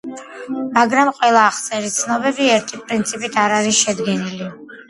მაგრამ ყველა აღწერის ცნობები ერთი პრინციპით არ არის შედგენილი.